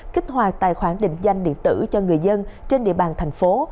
kích hoạt tài khoản định danh điện tử cho người dân trên địa bàn thành phố